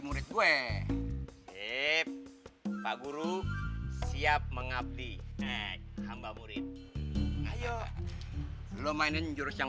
murid gue siap pak guru siap mengabdi hamba murid ayo mainin jurus yang